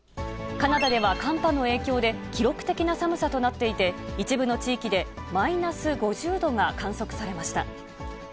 カナダでは、寒波の影響で記録的な寒さとなっていて、一部の地域でマイナス５０度が観測されました。